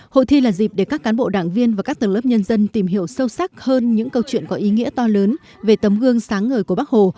hội thi là dịp để các cán bộ đảng viên và các tầng lớp nhân dân tìm hiểu sâu sắc hơn những câu chuyện có ý nghĩa to lớn về tấm gương sáng ngời của bắc hồ